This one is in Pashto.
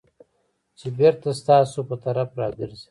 چې بېرته ستاسو په طرف راګرځي .